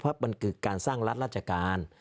เพราะมันคือการสร้างรัฐราชการ